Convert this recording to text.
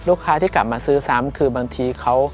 ลูกค้าที่กลับมาซื้อซ้ำคือบางทีเขา